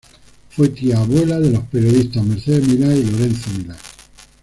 Fue tía abuela de los periodistas Mercedes Milá y Lorenzo Milá.